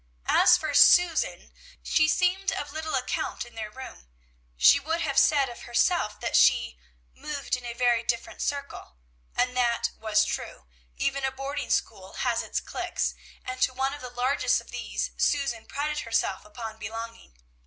As for Susan, she seemed of little account in their room. She would have said of herself that she "moved in a very different circle," and that was true; even a boarding school has its cliques, and to one of the largest of these Susan prided herself upon belonging.